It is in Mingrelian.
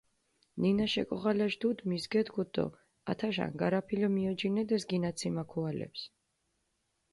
ნინაშ ეკოღალაშ დუდი მის გედგუდჷ დო ათაშ ანგარაფილო მიოჯინედეს გინაციმა ქუალეფს.